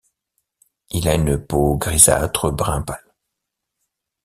Il a une peau grisâtre-brun pâle.